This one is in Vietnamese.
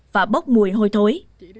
và bốc mùi hôi thối